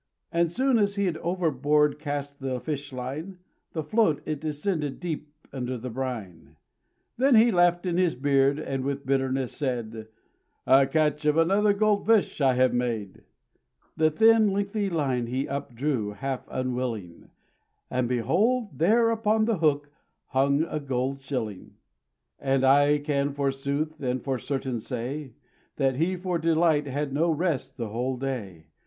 And soon as he'd overboard cast the fish line, The float it descended deep under the brine. Then he laughed in his beard, and with bitterness said: "A catch of another gold fish I have made!" The thin lengthy line he up drew half unwilling, And, behold! there upon the hook hung a gold shilling. And I can forsooth and for certainty say, That he for delight had no rest the whole day.